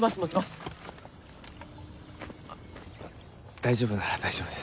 大丈夫なら大丈夫です。